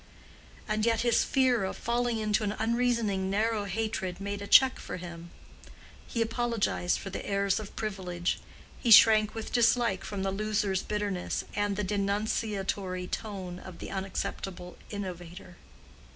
And yet his fear of falling into an unreasoning narrow hatred made a check for him: he apologized for the heirs of privilege; he shrank with dislike from the loser's bitterness and the denunciatory tone of the unaccepted innovator.